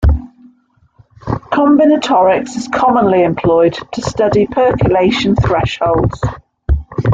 Combinatorics is commonly employed to study percolation thresholds.